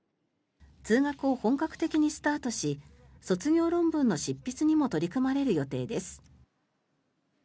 通学を本格的にスタートし卒業論文の執筆にも取り組まれる予定です。